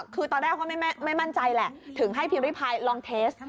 คือตอนแรกเขาไม่มั่นใจแหละถึงให้พิมพ์ริพายลองเทส